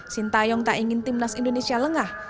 sintayong tak ingin timnas indonesia lengah